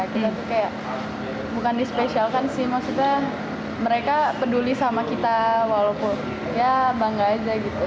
kayak bukan dispesialkan sih maksudnya mereka peduli sama kita walaupun ya bangga aja gitu